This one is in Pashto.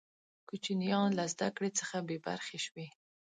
کوچنیان له زده کړي څخه بې برخې شوې.